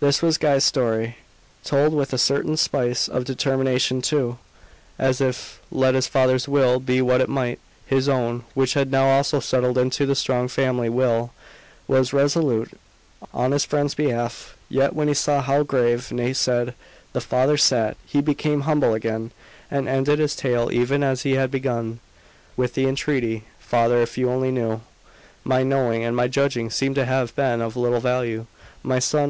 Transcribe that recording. This was Guy's story, told with a certain spice of determination too, as if let his father's will be what it might, his own, which had now also settled into the strong "family" will, was resolute on his friend's behalf. Yet when he saw how grave, nay sad, the father sat, he became humble again, and ended his tale even as he had begun, with the entreaty "Father, if you only knew " "My knowing and my judging seem to have been of little value, my son.